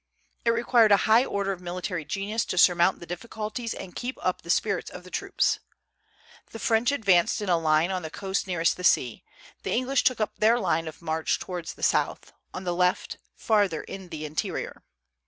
It required a high order of military genius to surmount the difficulties and keep up the spirits of the troops. The French advanced in a line on the coast nearest the sea; the English took up their line of march towards the south, on the left, farther in the interior.